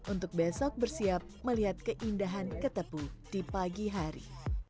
untuk besok bersiap melihat keindahan ketepu di pagi hari